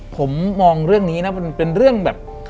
ผมมองเรื่องนี้นะมันเป็นเรื่องแบบ